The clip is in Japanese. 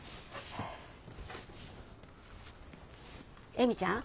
恵美ちゃん。